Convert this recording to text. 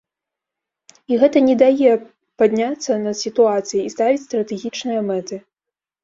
І гэта не дае падняцца над сітуацыяй і ставіць стратэгічныя мэты.